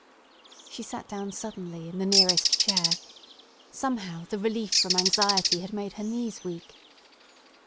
She sat down suddenly in the nearest chair. Somehow the relief from anxiety had made her knees weak.